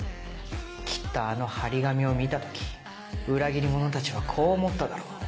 きっとあの貼り紙を見た時裏切り者たちはこう思っただろう。